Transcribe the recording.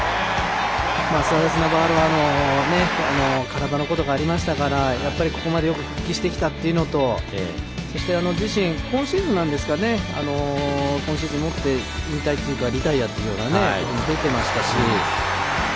スアレスナバーロは体のことがありましたからここまでよく復帰してきたというのとそして今シーズンをもって引退というか、リタイアと出ていましたし。